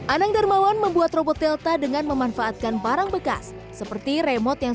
anang darmawan membuat robot delta dengan memanfaatkan barang bekas seperti remote yang